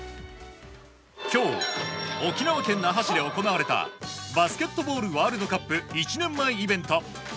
今日、沖縄県那覇市で行われたバスケットボールワールドカップ１年前イベント。